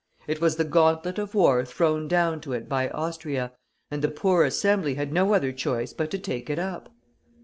It was the gauntlet of war thrown down to it by Austria, and the poor Assembly had no other choice but to take it up.